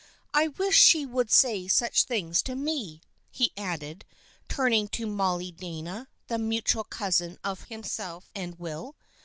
" I wish she would say such things to me !" he added, turning to Mollie Dana, the mutual cousin of himself and Will.